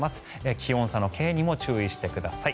気温差のＫにも注意してください。